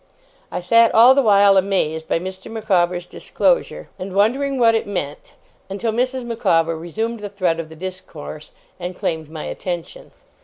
I sat all the while, amazed by Mr. Micawber's disclosure, and wondering what it meant; until Mrs. Micawber resumed the thread of the discourse, and claimed my attention.